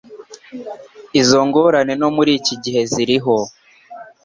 Izo ngorane no muri iki gihe ziriho.